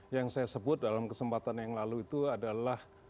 yang saya sebut dalam kesempatan yang lalu itu adalah